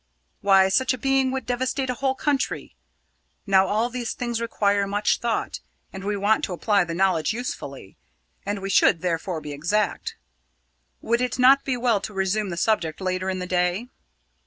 Why, such a being would devastate a whole country. Now, all these things require much thought, and we want to apply the knowledge usefully, and we should therefore be exact. Would it not be well to resume the subject later in the day?"